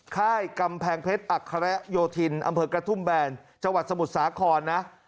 ค่ายกำแพงเพชรอัคระโยธินอำเภอกระทุ่มแบนจังหวัดสมุทรสาครนะ